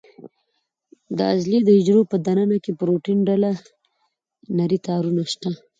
د عضلې د حجرو په دننه کې پروتین ډوله نري تارونه شته.